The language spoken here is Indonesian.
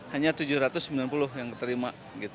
hanya tujuh ratus sembilan puluh yang diterima